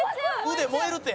「腕燃えるて」